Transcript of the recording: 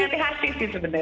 hati hati sih sebenarnya